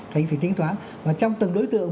thì phải tính toán và trong từng đối tượng